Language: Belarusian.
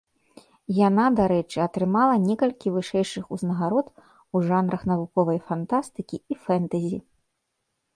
Яна, дарэчы, атрымала некалькі вышэйшых узнагарод у жанрах навуковай фантастыкі і фэнтэзі.